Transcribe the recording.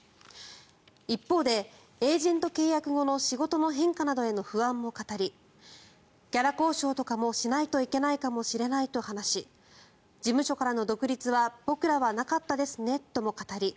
一方で、エージェント契約後の仕事の変化などへの不安も語りギャラ交渉とかもしないといけないかもしれないと話し事務所からの独立は僕らはなかったですねとも語り